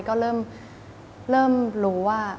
ก็เริ่มรู้ว่า